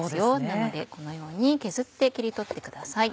なのでこのように削って切り取ってください。